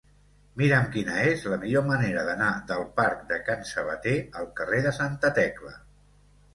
Mira'm quina és la millor manera d'anar del parc de Can Sabater al carrer de Santa Tecla.